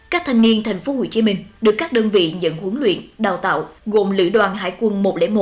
các thanh niên tp hcm được các đơn vị nhận huấn luyện đào tạo gồm lữ đoàn hải quân một trăm linh một